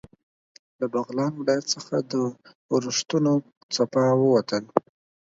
له بغلان ولایت څخه د اورښتونو څپه ووتل.